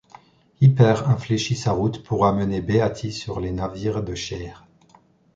Hipper infléchit sa route pour amener Beatty sur les navires de Scheer.